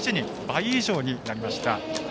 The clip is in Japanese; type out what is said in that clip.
倍以上になりました。